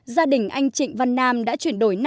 gia đình anh trịnh văn nam đã chuyển đổi